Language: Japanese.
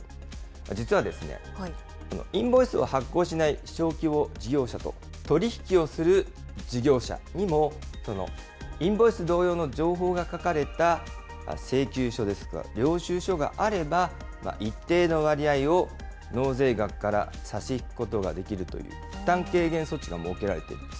実は、インボイスを発行しない小規模事業者と取り引きをする事業者にも、インボイス同様の情報が書かれた請求書ですとか領収書があれば、一定の割合を納税額から差し引くことができるという、負担軽減措置が設けられているんです。